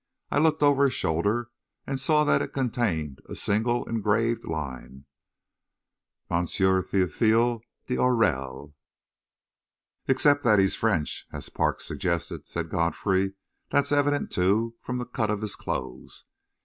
I looked over his shoulder and saw that it contained a single engraved line: M. THÉOPHILE D'AURELLE "Except that he's French, as Parks suggested," said Godfrey. "That's evident, too, from the cut of his clothes."